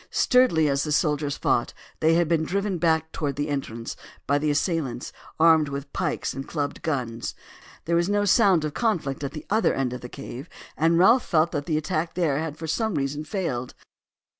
Sturdily as the soldiers fought they had been driven back towards the entrance by the assailants, armed with pikes and clubbed guns. There was no sound of conflict at the other end of the cave, and Ralph felt that the attack there had for some reason failed.